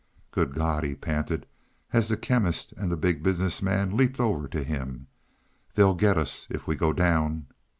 "Good God!" he panted as the Chemist and the Big Business Man leaped over to him. "They'll get us if we go down."